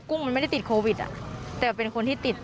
ุ้งมันไม่ได้ติดโควิดอ่ะแต่เป็นคนที่ติด